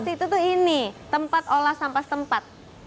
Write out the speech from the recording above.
tos itu tuh ini tempat olah sampah sempat